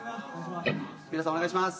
皆さんお願いします！